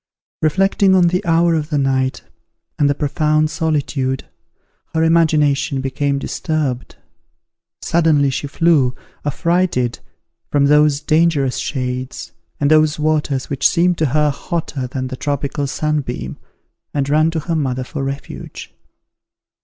Reflecting on the hour of the night, and the profound solitude, her imagination became disturbed. Suddenly she flew, affrighted, from those dangerous shades, and those waters which seemed to her hotter than the tropical sunbeam, and ran to her mother for refuge.